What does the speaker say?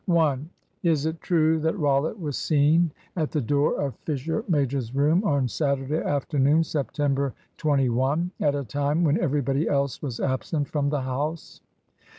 "1. Is it true that Rollitt was seen at the door of Fisher major's room on Saturday afternoon, September 21, at a time when everybody else was absent from the house?